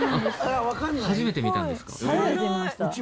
あっ初めて見たんですか？